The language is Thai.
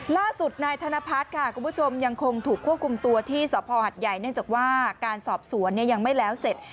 ล่าสุดนายธนพัฒน์ค่ะคุณผู้ชมยังคงถูกควบคุมตัวที่สภหัดใหญ่เนื่องจากว่าการสอบสวนยังไม่แล้วเสร็จ